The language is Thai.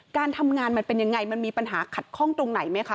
การทำงานมันเป็นยังไงมันมีปัญหาขัดข้องตรงไหนไหมคะ